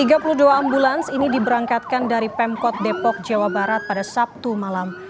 tiga puluh dua ambulans ini diberangkatkan dari pemkot depok jawa barat pada sabtu malam